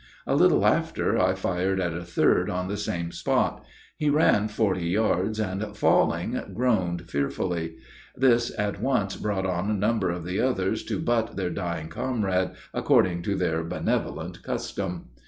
A little after, I fired at a third on the same spot; he ran forty yards, and, falling, groaned fearfully: this at once brought on a number of the others to butt their dying comrade, according to their benevolent custom.